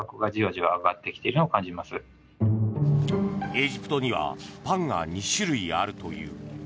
エジプトにはパンが２種類あるという。